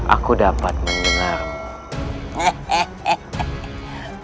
aku dapat menyalarmu